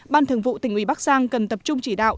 ban thường vụ tỉnh ủy bắc giang cần tập trung chỉ đạo